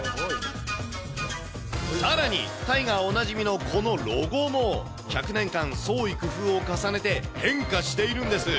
さらに、タイガーおなじみのこのロゴも、１００年間創意工夫を重ねて変化しているんです。